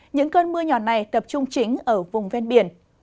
những cơn mưa nhỏ này tập trung chính ở vùng ven biển